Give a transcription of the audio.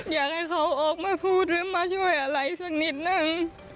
อยากให้เขาออกมาพูดหรือมาช่วยอะไรสักนิดนึง